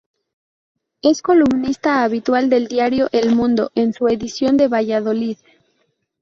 Es columnista habitual del diario "El Mundo" en su edición de Valladolid.